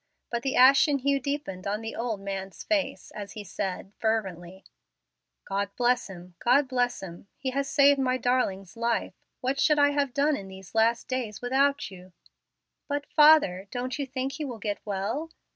But the ashen hue deepened on the old man's face, as he said, fervently, "God bless him! God bless him! He has saved my darling's life. What should I have done in these last days without you?" "But, father, don't you think he will get well?"